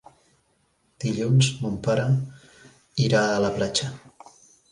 Dilluns mon pare irà a la platja.